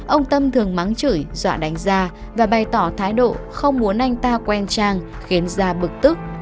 ông tâm thường mắng chửi dọa đánh da và bày tỏ thái độ không muốn anh ta quen trang khiến da bực tức